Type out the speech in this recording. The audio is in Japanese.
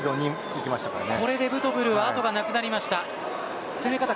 これでブトブルはあとがなくなりました。